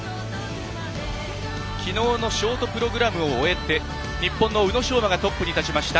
きのうのショートプログラムを終えて日本の宇野昌磨がトップに立ちました。